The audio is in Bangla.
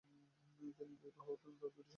তিনি বিবাহিত, তার দুটি সন্তান আছে।